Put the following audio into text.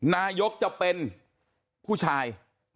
นายกจะเป็นผู้ชาย